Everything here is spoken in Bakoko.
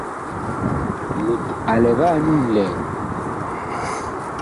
Mut a lɛ va nyu nlɛɛ?